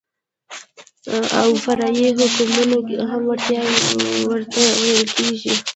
او فرعي احکام هم ورته ويل کېږي.